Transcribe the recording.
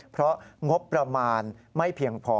เพราะงบประมาณไม่เพียงพอ